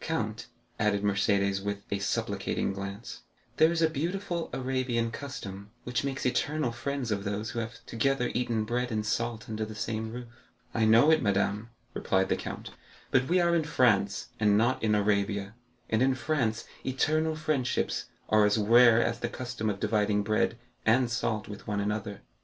"Count," added Mercédès with a supplicating glance, "there is a beautiful Arabian custom, which makes eternal friends of those who have together eaten bread and salt under the same roof." "I know it, madame," replied the count; "but we are in France, and not in Arabia, and in France eternal friendships are as rare as the custom of dividing bread and salt with one another."